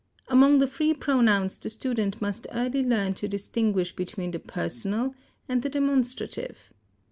Among the free pronouns the student must early learn to distinguish between the personal and the demonstrative.